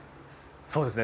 そうですね。